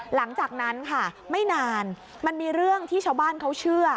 หลังจากนั้นค่ะไม่นานมันมีเรื่องที่ชาวบ้านเขาเชื่อ